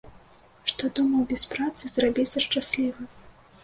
Што думаў без працы зрабіцца шчаслівы.